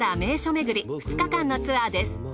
めぐり２日間のツアーです。